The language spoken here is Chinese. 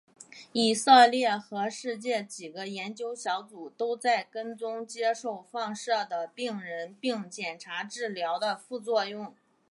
以色列和世界几个研究小组都在跟踪接受放射的病人并检查治疗的副作用。